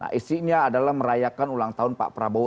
nah isinya adalah merayakan ulang tahun pak prabowo